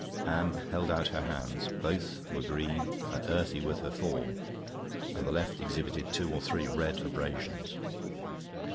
Anne held out her hands; both were green and earthy with her fall, and the left exhibited two or three red abrasions.